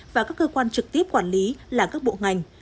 và các cơ quan trực tiếp quản lý là các bộ ngành